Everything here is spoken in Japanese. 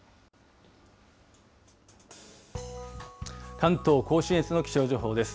関東甲信越の気象情報です。